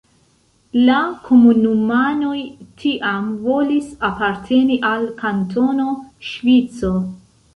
La komunumanoj tiam volis aparteni al Kantono Ŝvico.